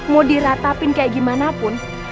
mau diratapin kayak gimana pun